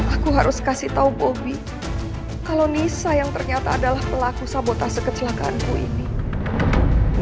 aku harus kasih tahu bobi kalau nisa yang ternyata adalah pelaku sabotase kecelakaanku ini